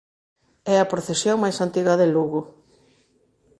É a procesión máis antiga de Lugo.